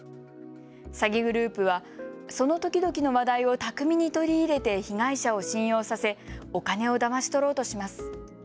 詐欺グループはその時々の話題を巧みに取り入れて被害者を信用させ、お金をだまし取ろうとします。